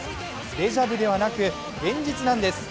デジャブではなく現実なんです。